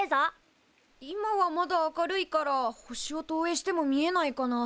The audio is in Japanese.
今はまだ明るいから星を投影しても見えないかな。